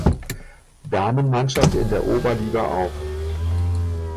Damenmannschaft in der Oberliga auf.